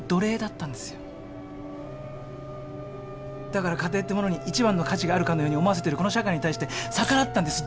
だから家庭ってものに一番の価値があるかのように思わせてるこの社会に対して逆らったんです。